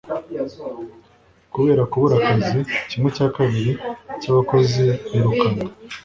kubera kubura akazi, kimwe cya kabiri cyabakozi birukanwe